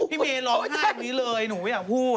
พี่เมย์ร้องไห้อย่างนี้เลยหนูไม่อยากพูด